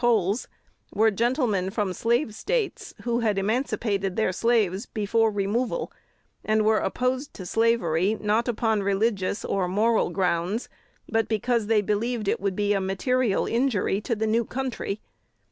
Coles were gentlemen from Slave States, who had emancipated their slaves before removal, and were opposed to slavery, not upon religious or moral grounds, but because they believed it would be a material injury to the new country.